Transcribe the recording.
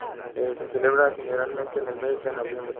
Se celebra generalmente en el mes de noviembre.